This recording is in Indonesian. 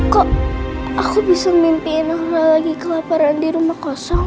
kok aku bisa mimpi gak lagi kelaparan di rumah kosong